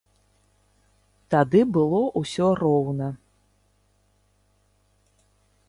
Тады было ўсё роўна.